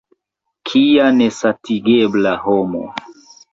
Kia nesatigebla homo!